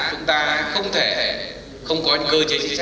chúng ta không thể không có cơ chế chiến trách của chính phủ